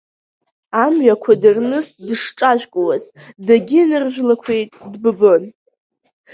Амҩақәа дырныст дышҿажәкуаз, дагьынаржәлақәеит, дбыбын.